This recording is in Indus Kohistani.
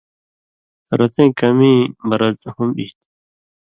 رَتَیں کمِیں مرض ہُم ای تھی۔